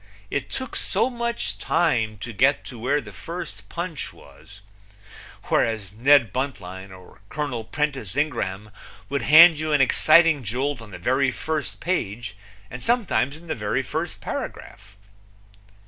It took so much time to get to where the first punch was, whereas Ned Buntline or Col. Prentiss Ingraham would hand you an exciting jolt on the very first page, and sometimes in the very first paragraph.